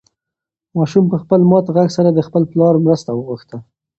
ماشوم په خپل مات غږ سره د خپل پلار مرسته وغوښته.